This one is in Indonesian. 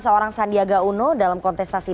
seorang sandiaga uno dalam kontestasi